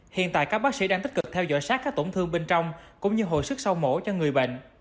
hiện tại các bác sĩ đang tích cực theo dõi sát các tổn thương bên trong cũng như hồi sức sau mổ cho người bệnh